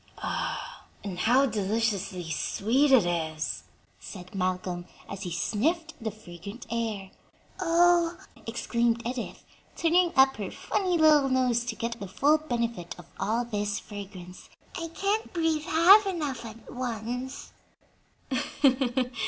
"And how deliciously sweet it is!" said Malcolm as he sniffed the fragrant air. "Oh!" exclaimed Edith, turning up her funny little nose to get the full benefit of all this fragrance; "I can't breathe half enough at once."